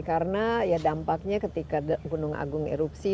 karena ya dampaknya ketika gunung agung erupsi